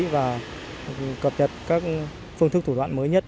và cập nhật các phương thức thủ đoạn mới nhất